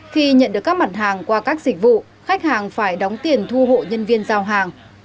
khi nhận được các mặt hàng qua các dịch vụ khách hàng phải đóng tiền thu hộ nhân viên giao hàng